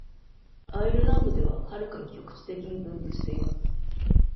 アイルランドでは、はるかに局地的に分布しています